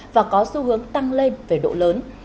và có xu hướng tăng lên về độ lớn